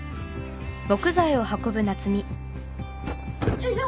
よいしょ！